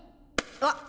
あっ！